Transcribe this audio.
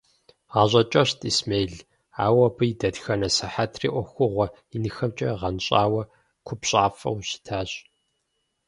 ГъащӀэ кӀэщӀт Исмел, ауэ абы и дэтхэнэ сыхьэтри Ӏуэхугъуэ инхэмкӀэ гъэнщӀауэ, купщӀафӀэу щытащ.